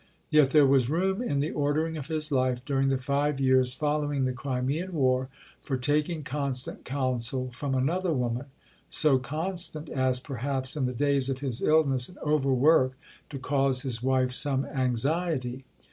Yet there was room in the ordering of his life, during the five years following the Crimean War, for taking constant counsel from another woman so constant as, perhaps, in the days of his illness and over work to cause his wife some anxiety.